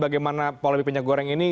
kalau lebih minyak goreng ini